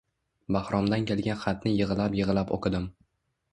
Bahromdan kelgan xatni yig`lab-yig`lab o`qidim